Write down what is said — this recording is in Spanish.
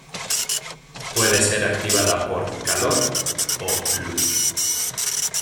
Puede ser activada por calor o luz.